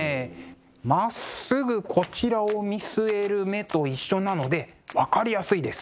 まっすぐこちらを見据える目と一緒なので分かりやすいです。